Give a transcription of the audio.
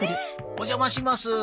お邪魔します。